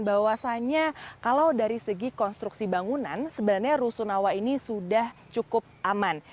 bahwasannya kalau dari segi konstruksi bangunan sebenarnya rusunawa ini sudah cukup aman